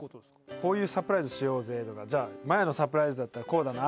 こういうサプライズしようぜとかじゃあ麻也のサプライズだったらこうだなあ